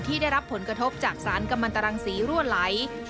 ได้รับผลกระทบจากสารกำลังตรังสีรั่วไหล